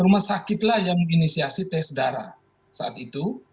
rumah sakit lah yang inisiasi tes darah saat itu